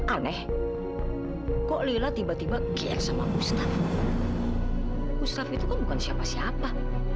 aneh kok lila tiba tiba kayak sama gustaf gustaf itu bukan siapa siapa